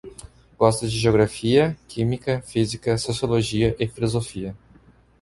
Gosto de geografia, química, física, sociologia e filosofia